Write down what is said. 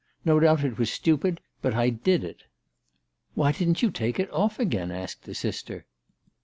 No doubt it was stupid, but I did it." " Why didn't you take it off again ?" asked the sister.